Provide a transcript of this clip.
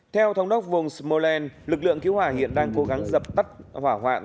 theo thống đốc vùng smolensk lực lượng cứu hỏa hiện đang cố gắng dập tắt hỏa hoạn